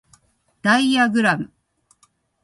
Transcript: ダイアグラム